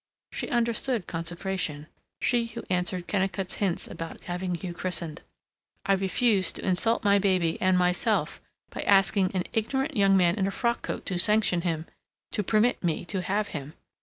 She understood consecration she who answered Kennicott's hints about having Hugh christened: "I refuse to insult my baby and myself by asking an ignorant young man in a frock coat to sanction him, to permit me to have him!